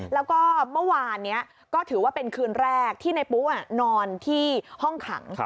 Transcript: แล้วก็เมื่อวานนี้ก็ถือว่าเป็นคืนแรกที่ในปุ๊นอนที่ห้องขัง